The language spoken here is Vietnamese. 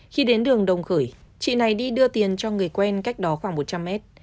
khi đến đường đồng khởi chị này đi đưa tiền cho người quen cách đó khoảng một trăm linh mét